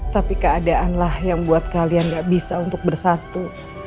tapi keadaanlah yang buat kalian gak bisa untuk bersatu